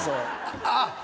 あっ。